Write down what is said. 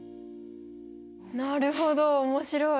なるほど面白い。